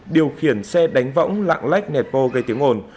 điều khiển xe đánh võng lạng lách nẹp bô gây tiếng ồn